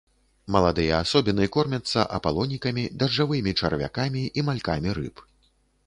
Маладыя асобіны кормяцца апалонікамі, дажджавымі чарвякамі і малькамі рыб.